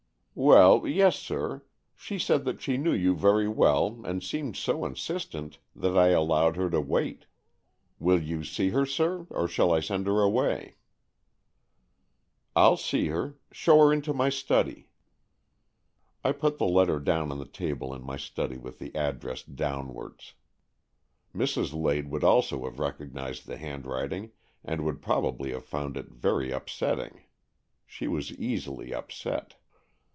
" Well, yes, sir. She said that she knew'' you very well, and seemed so insistent that I allowed her to wait. Will you see her, sir, or shall I send her away ?''" ril see her. Show her into my study." I put the letter down on the table in my study with the address downwards. Mrs. 142 AN EXCHANGE OF SOULS Lade would also have recognized the hand writing, and would probably have found it very upsetting. She was easily upset.